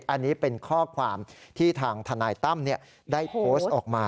อันนี้เป็นข้อความที่ทางทนายตั้มได้โพสต์ออกมา